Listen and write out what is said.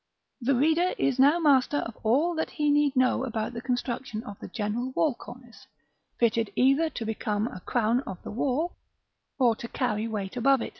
§ X. The reader is now master of all that he need know about the construction of the general wall cornice, fitted either to become a crown of the wall, or to carry weight above.